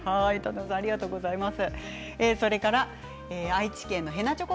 ありがとうございます。